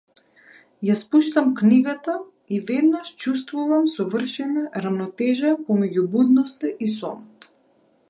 Ја спуштам книгата и веднаш чувствувам совршена рамнотежа помеѓу будноста и сонот.